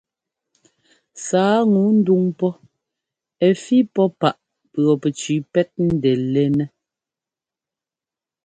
Sǎa ŋu ndúŋ pɔ́ ɛ́ fí pɔ́ páꞌ pʉɔpɛcʉʉ pɛ́t ńdɛ́lɛ́nɛ́.